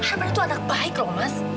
arman itu anak baik lho mas